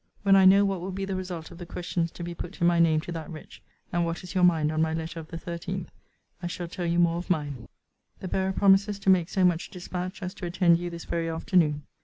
When I know what will be the result of the questions to be put in my name to that wretch, and what is your mind on my letter of the 13th, I shall tell you more of mine. The bearer promises to make so much dispatch as to attend you this very afternoon.